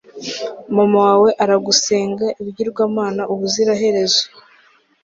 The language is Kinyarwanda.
mama wawe aragusenga ibigirwamana ubuziraherezo